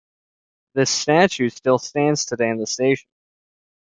This statue still stands today in the station.